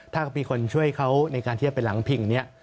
ถ้ามีคนช่วยเขาในการเทียบเป็นหลังผิงนี้